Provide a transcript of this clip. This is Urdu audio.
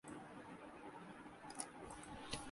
ٹینس اسٹار ثانیہ مرزا راجیو گاندھی کھیل رتنا ایوارڈکیلئے نامزد